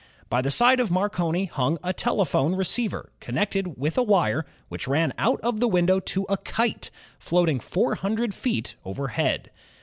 By the side of Marconi himg a telephone receiver connected with a wire which ran out of the window to a kite, floating four himdred feet over head.